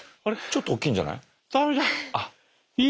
ちょっと大きいんじゃない？